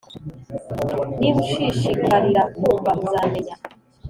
Niba ushishikarira kumva, uzamenya,